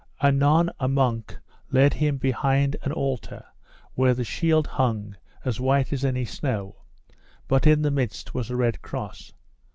Anon a monk led him behind an altar where the shield hung as white as any snow, but in the midst was a red cross.